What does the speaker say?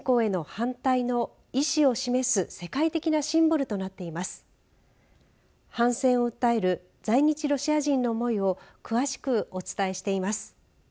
反戦を訴える在日ロシア人の思いを詳しくお伝えしています。